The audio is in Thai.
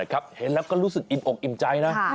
ทานกันนะครับเห็นแล้วก็รู้สึกอิ่มอกอิ่มใจนะ